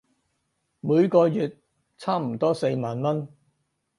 每個月差唔多四萬文